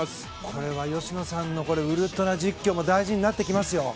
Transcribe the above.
これは吉野さんのウルトラ実況が大事になってきますよ。